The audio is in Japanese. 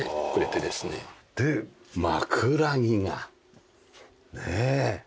で枕木がねえ。